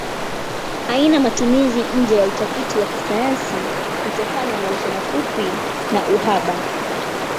Haina matumizi nje ya utafiti wa kisayansi kutokana maisha mafupi na uhaba.